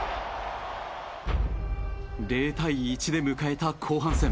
０対１で迎えた後半戦。